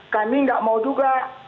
kami nggak mau juga